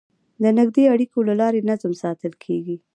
د نږدې اړیکو له لارې نظم ساتل کېږي.